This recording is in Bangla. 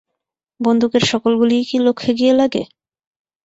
বন্দুকের সকল গুলিই কি লক্ষ্যে গিয়ে লাগে?